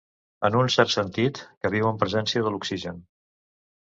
En un cert sentit, que viu en presència de l'oxigen.